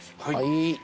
はい。